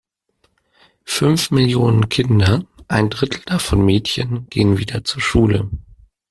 Fünf Millionen Kinder, ein Drittel davon Mädchen, gehen wieder zur Schule.